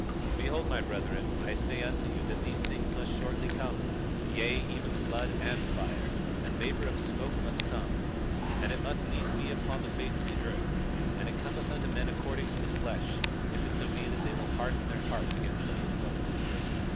22:18 Behold, my brethren, I say unto you, that these things must shortly come; yea, even blood, and fire, and vapor of smoke must come; and it must needs be upon the face of this earth; and it cometh unto men according to the flesh if it so be that they will harden their hearts against the Holy One of Israel.